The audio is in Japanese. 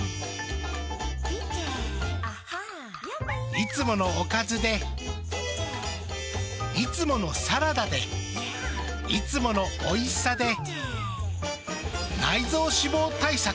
いつものおかずでいつものサラダでいつものおいしさで内臓脂肪対策。